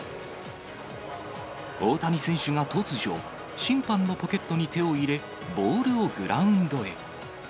大谷選手が突如、審判のポケットに手を入れ、ボールをグラウンドへ。